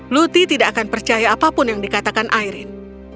luti tidak akan percaya apapun yang dikatakan airin